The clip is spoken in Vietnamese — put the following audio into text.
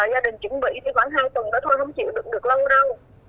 gia đình chuẩn bị thì khoảng hai tuần nữa thôi không chịu được lâu đâu